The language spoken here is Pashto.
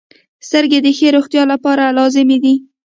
• سترګې د ښې روغتیا لپاره لازمي دي.